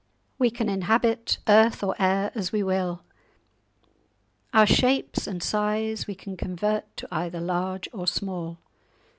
We can inhabit, earth, or air, as we will. Our shapes and size we can convert to either large or small.